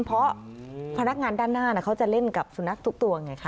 เพราะพนักงานด้านหน้าเขาจะเล่นกับสุนัขทุกตัวไงคะ